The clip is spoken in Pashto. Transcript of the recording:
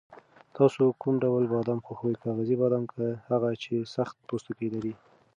تاسو کوم ډول بادام خوښوئ، کاغذي بادام که هغه چې سخت پوستکی لري؟